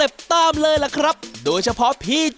เฮ่น้องช้างแต่ละเชือกเนี่ย